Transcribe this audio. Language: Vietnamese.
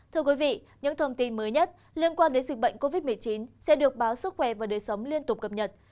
thưa quý vị những thông tin mới nhất liên quan đến dịch bệnh covid một mươi chín sẽ được báo sức khỏe và đời sống liên tục cập nhật